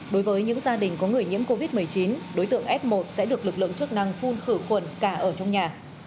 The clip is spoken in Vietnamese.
đối với những gia đình có người nhiễm covid một mươi chín đối tượng f một sẽ được lực lượng chức năng phun khử khuẩn cả ở trong nhà